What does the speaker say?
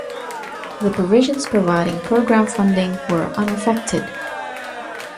The provisions providing program funding were unaffected.